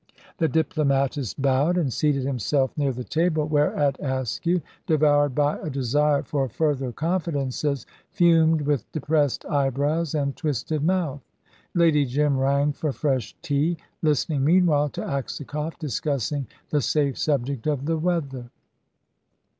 The diplomatist bowed, and seated himself near the table, whereat Askew, devoured by a desire for further confidences, fumed, with depressed eyebrows and twisted mouth. Lady Jim rang for fresh tea, listening meanwhile to Aksakoff discussing the safe subject of the weather.